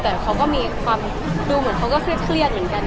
แต่เขาก็มีความดูเหมือนเขาก็เครียดเหมือนกัน